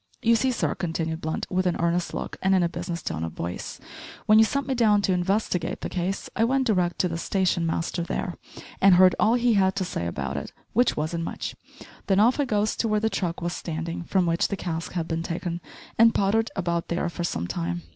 You see, sir," continued Blunt, with an earnest look, and in a business tone of voice, "when you sent me down to investigate the case I went d'rect to the station master there and heard all he had to say about it which wasn't much; then off I goes to where the truck was standin', from which the cask had bin taken and pottered about there for some time.